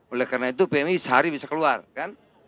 oleh karena itu pmi sehari bisa keluar kan